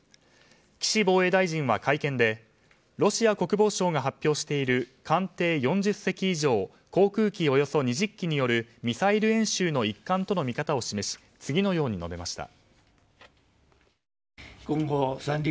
岸防衛大臣は会見でロシア国防省が発表している艦艇４０隻以上航空機およそ２０機によるミサイル演習の一環との見方を示し次のように述べました。